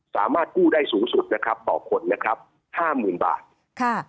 สามารถกู้ได้สูงสุดต่อคน๕หมื่นบาท